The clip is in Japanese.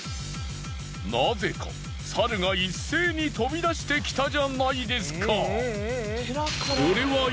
なぜか猿が一斉に飛び出してきたじゃないですか。